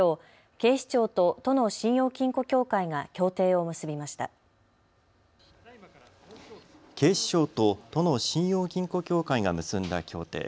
警視庁と都の信用金庫協会が結んだ協定。